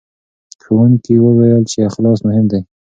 ښوونکي وویل چې اخلاص مهم دی.